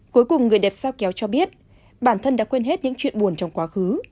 cuối cùng người đẹp sao kéo cho biết bản thân đã quên hết những chuyện buồn trong quá khứ